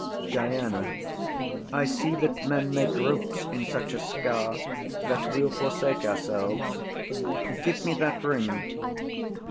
DIANA. I see that men make hopes in such a case, That we'll forsake ourselves. Give me that ring.